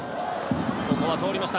ここは通りました